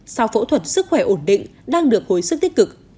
sau phẫu thuật sức khỏe ổn định đang được hồi sức tích cực